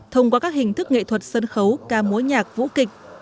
thông qua các hình thức nghệ thuật sân khấu ca mối nhạc vũ kịch